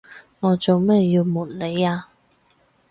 我做咩要暪你呀？